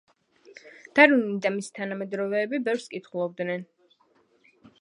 დარვინი და მისი თანამედროვეები ბევრს კითხულობდნენ.